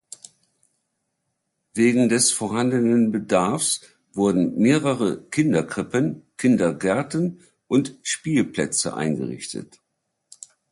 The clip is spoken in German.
Wegen des vorhandenen Bedarfs wurden mehreren Kinderkrippen, Kindergärten und Spielplätze eingerichtet.